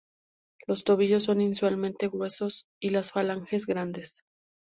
Los tobillos son inusualmente gruesos y las falanges grandes.